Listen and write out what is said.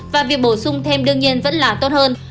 và việc bổ sung thêm đương nhiên vẫn là tốt hơn